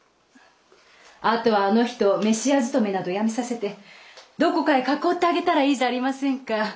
あとはあの人を飯屋勤めなど辞めさせてどこかへ囲ってあげたらいいじゃありませんか。